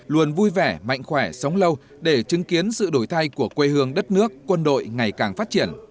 luôn vui vẻ mạnh khỏe sống lâu để chứng kiến sự đổi thay của quê hương đất nước quân đội ngày càng phát triển